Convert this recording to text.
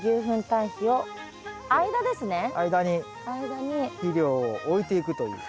間に肥料を置いていくという。